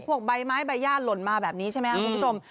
ใบไม้ใบย่าหล่นมาแบบนี้ใช่ไหมครับคุณผู้ชม